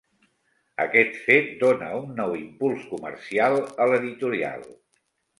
Aquest fet dóna un nou impuls comercial a l'editorial.